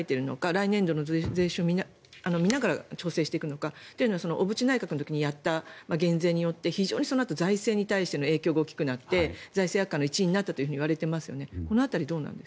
来年度の税収、見ながら調整していくのか。というのは小渕内閣の時にやった減税によって非常にそのあと財政に対しての影響が大きくなって財政悪化の一因になったといわれていますよね。